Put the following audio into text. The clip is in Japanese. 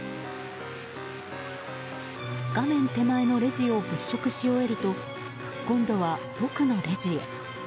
画面手前のレジを物色し終えると今度は奥のレジへ。